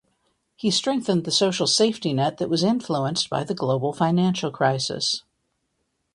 He strengthened the social safety net that was influenced by the global financial crisis.